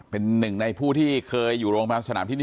เป็นหนึ่งในผู้ที่เคยอยู่โรงพยาบาลสนามที่นี่